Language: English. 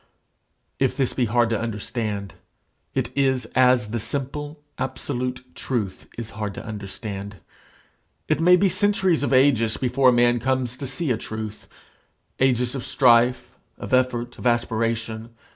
If this be hard to understand, it is as the simple, absolute truth is hard to understand. It may be centuries of ages before a man comes to see a truth ages of strife, of effort, of aspiration.